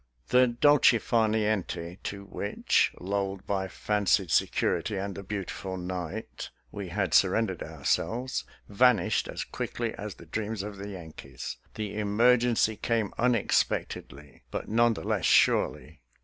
The dolce far niente to which, lulled by fan cied security and the beautiful night, we had surrendered ourselves, vanished as quickly as the dreams of the Yankees. The emergency came unexpectedly, but none the less surely.